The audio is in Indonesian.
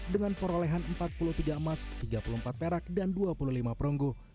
dengan perolehan empat puluh tiga emas tiga puluh empat perak dan dua puluh lima perunggu